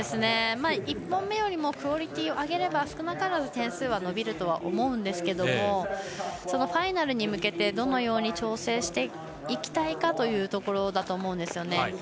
１本目よりもクオリティーを上げれば少なからず点数は伸びると思いますがファイナルに向けてどのように調整していきたいかというところだと思うんですよね。